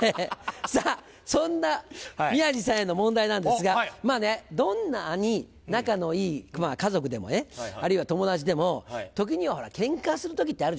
さぁそんな宮治さんへの問題なんですがどんなに仲のいい家族でもねあるいは友達でも時にはケンカする時ってあるじゃないですか。